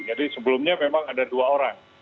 jadi sebelumnya memang ada dua orang